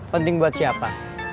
penting buat siapa